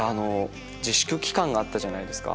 自粛期間があったじゃないですか。